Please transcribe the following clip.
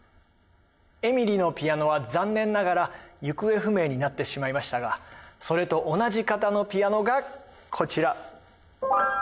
エミリのピアノは残念ながら行方不明になってしまいましたがそれと同じ型のピアノがこちら。